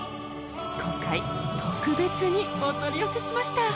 今回特別にお取り寄せしました。